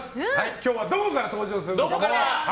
今日はどこから登場するのか。